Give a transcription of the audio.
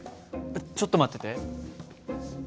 ちょっと待ってて。